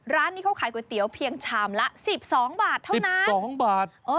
ร้านนี้เขาขายก๋วยเตี๋ยวเพียงชามละ๑๒บาทเท่านั้น๒บาท